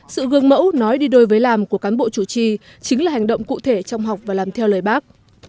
sự gương mẫu nói đi đôi với làm của cán bộ chủ trì chính là hành động cụ thể trong học và làm theo lời bác